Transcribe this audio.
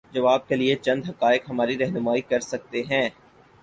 جواب کے لیے چند حقائق ہماری رہنمائی کر سکتے ہیں۔